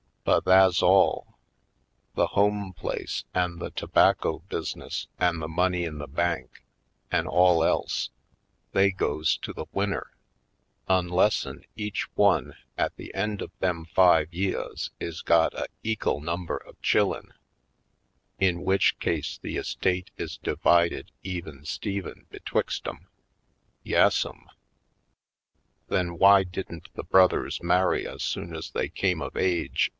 But tha's all. The home place an' the tobacco bus' ness an' the money in the bank an' all else, they goes to the winner, onlessen each one, at the end of them five yeahs is got a ek'el number of chillen in w'ich case the estate is divided even stephen betwixt 'em. Yas sum!" "Then why didn't both brothers marry as soon as they came of age?"